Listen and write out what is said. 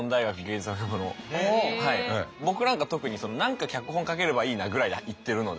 僕なんか特に何か脚本書ければいいなぐらいで行ってるので。